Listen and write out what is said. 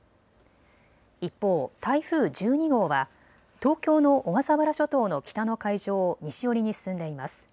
一方、台風１２号は東京の小笠原諸島の北の海上を西寄りに進んでいます。